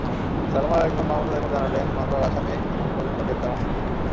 সালমার আরেক বোন মাহমুদা বেগম জানালেন, মামলার আসামি এখন পর্যন্ত গ্রেপ্তার হননি।